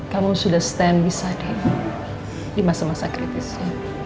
kamu sudah stand beside dia di masa masa kritisnya